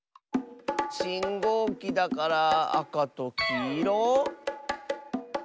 しんごうきだからあかときいろ？